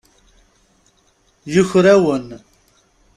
Yuker-awen.